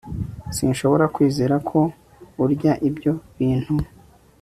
sinshobora kwizera ko urya ibyo bintu